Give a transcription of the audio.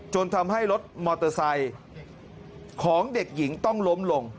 จนทำให้รถมอเตอร์ไซค์ของเด็กหญิงต้องล้มลง